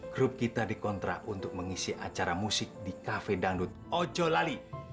grup kita dikontrak untuk mengisi acara musik di kafe dangdut ojo lali